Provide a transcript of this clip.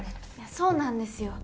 そうなんですよ。